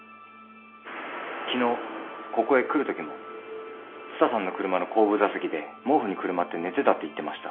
昨日ここへ来るときも蔦さんの車の後部座席で毛布にくるまって寝てたって言ってました。